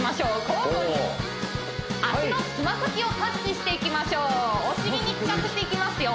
交互に足のつま先をタッチしていきましょうお尻に効かせていきますよ